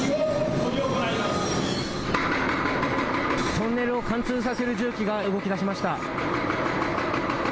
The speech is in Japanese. トンネルを貫通させる重機が動きだしました。